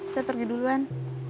saya pergi duluan